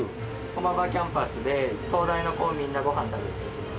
駒場キャンパスで東大の子みんなご飯食べていきます。